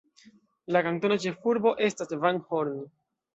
La kantona ĉefurbo estas Van Horn.